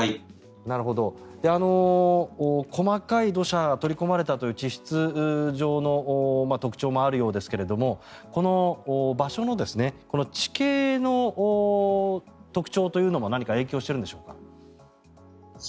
細かい土砂が取り込まれたという地質上の特徴もあるようですがこの場所の地形の特徴というのも何か影響しているんでしょうか？